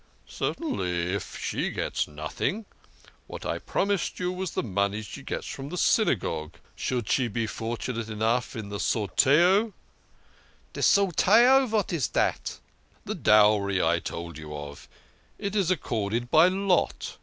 "" Certainly, if she gets nothing. What I promised you was the money she gets from the Synagogue. Should she be fortunate enough in the sorteo "" De sorteo .' Vat is dat ?" 102 THE KING OF SCHNORRERS. " The dowry I told you of. It is accorded by lot.